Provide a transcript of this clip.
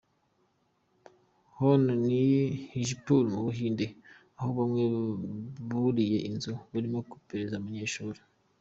Hano ni Hajipur mu Buhinde aho bamwe buriye inzu barimo gukopeza abanyeshuri.